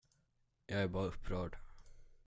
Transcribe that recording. Jag är bara upprörd.